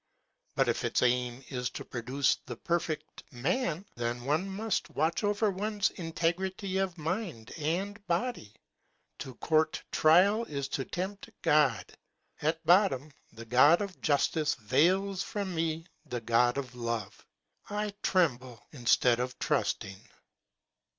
But if its aim is to produce the perfect man, then a AMIEL'S JOURNAL. 21 one must watch over one's integrity of mind and body. To court trial is to tempt God. At bottom, the God of justice veils from me the God of love. I tremble instead of trusting.